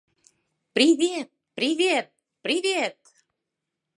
«Привет, привет, привет!..»